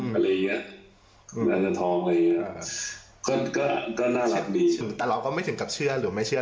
ว่าก็น่ารักแต่เราก็ไม่ถึงกับเชื่อหรือไม่เชื่อ